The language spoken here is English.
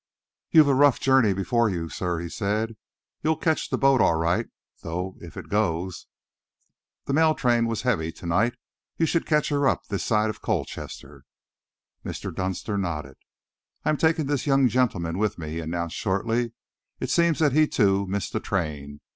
"You've a rough journey before you, sir," he said. "You'll catch the boat all right, though if it goes. The mail train was very heavy to night. You should catch her up this side of Colchester." Mr. Dunster nodded. "I am taking this young gentleman with me," he announced shortly. "It seems that he, too, missed the train.